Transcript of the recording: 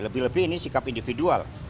lebih lebih ini sikap individual